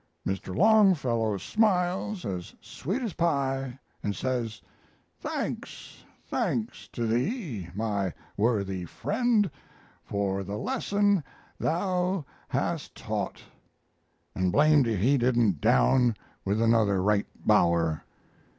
Mr. Longfellow smiles as sweet as pie and says, "'Thanks, thanks to thee, my worthy friend, For the lesson thou hast taught,' and blamed if he didn't down with another right bower!